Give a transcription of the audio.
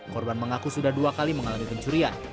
korban mengaku sudah dua kali mengalami pencurian